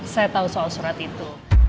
saya tahu soal surat itu